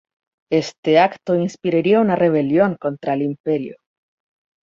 Este acto inspiraría una rebelión contra el imperio.